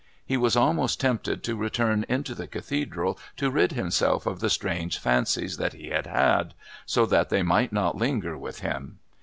He was almost tempted to return into the Cathedral to rid himself of the strange fancies that he had had, so that they might not linger with him.